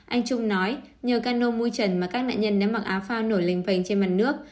anh trung nói nhờ cano mui trần mà các nạn nhân đã mặc áo phao nổi lình phành trên mặt nước